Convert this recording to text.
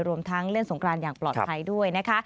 รวมทั้งเลื่อนสงครานอย่างปลอดภัยด้วยนะคะ